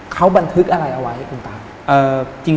เขาบันทึกอะไรเอาไว้คุณตา